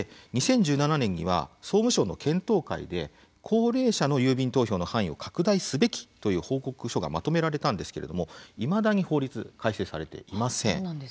２０１７年には総務省の検討会で高齢者の郵便投票の範囲を拡大すべきという報告書がまとめられたんですけれどもいまだに法律改正されていません。